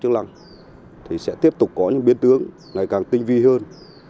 chức năng thì sẽ tiếp tục có những biến tướng ngày càng tinh vi hơn